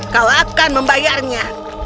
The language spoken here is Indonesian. kau akan membayarnya